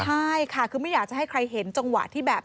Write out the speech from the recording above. ใช่ค่ะคือไม่อยากจะให้ใครเห็นจังหวะที่แบบ